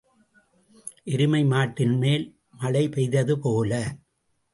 எருமை மாட்டின்மேல் மழை பெய்தது போல.